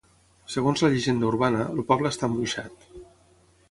Segons la llegenda urbana, el poble està embruixat.